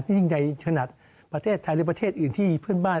ยิ่งใหญ่ขนาดประเทศไทยหรือประเทศอื่นที่เพื่อนบ้าน